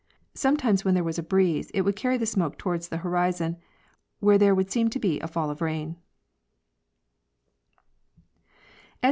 Sometimes when there was a breeze, it would carry the smoke toward the horizon, where there would seem to be a fall of rain.